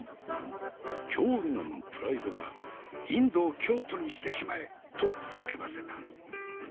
京女のプライドが「インドを京都にしてしまえ！」と叫ばせた。